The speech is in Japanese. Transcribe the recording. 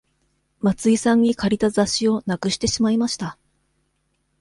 松井さんに借りた雑誌をなくしてしまいました。